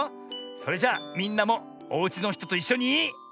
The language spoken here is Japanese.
それじゃみんなもおうちのひとといっしょに。